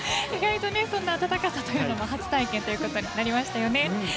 意外とそんな暖かさも初体験ということになりましたよね。